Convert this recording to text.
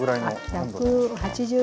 １８０℃。